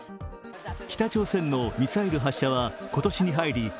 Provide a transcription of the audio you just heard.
北朝鮮のミサイル発射は今年に入り